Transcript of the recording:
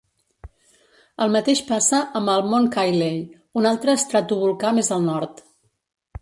El mateix passa amb el Mont Cayley, un altre estratovolcà més al nord.